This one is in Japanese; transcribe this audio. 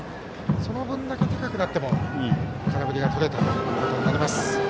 その分だけ高くなっても空振りがとれたとなります。